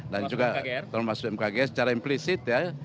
dan juga termasuk mkgr secara implicit ya